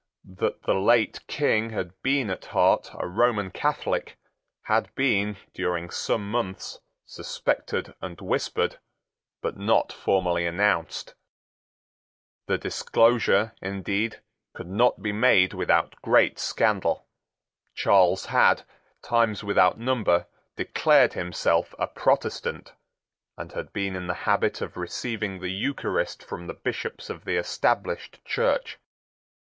That the late King had been at heart a Roman Catholic had been, during some months, suspected and whispered, but not formally announced. The disclosure, indeed, could not be made without great scandal. Charles had, times without number, declared himself a Protestant, and had been in the habit of receiving the Eucharist from the Bishops of the Established Church.